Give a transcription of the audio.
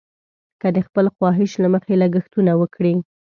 که د خپل خواهش له مخې لګښتونه وکړي.